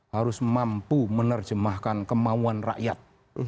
harus mampu menerjemahkan kemauan rakyat